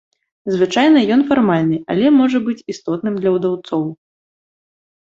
Звычайна ён фармальны, але можа быць істотным для ўдаўцоў.